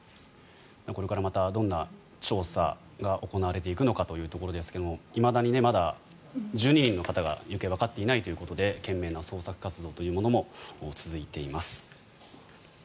これからどんな調査が行われていくのかというところですがいまだにまだ、１２人の方が行方がわかっていないということで懸命な捜索活動というものも続いています。